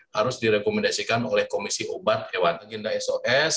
harus direkomendasikan oleh komisi obat hewan agenda sos